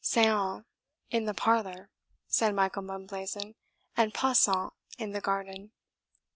"SEIANT in the parlour," said Michael Mumblazen, "and PASSANT in the garden."